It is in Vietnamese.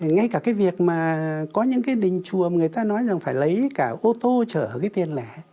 ngay cả cái việc mà có những cái đình chùa người ta nói rằng phải lấy cả ô tô chở cái tiền lẻ